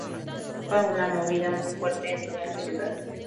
Fue una movida muy fuerte en toda la ciudad.